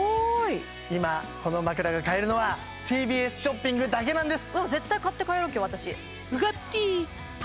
今この枕が買えるのはＴＢＳショッピングだけなんです！